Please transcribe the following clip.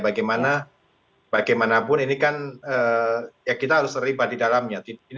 bagaimana bagaimanapun ini kan ya kita harus terlibat di dalamnya